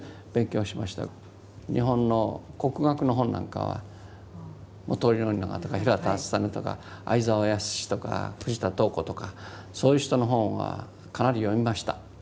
日本の国学の本なんかは本居宣長とか平田篤胤とか会沢安とか藤田東湖とかそういう人の本はかなり読みました。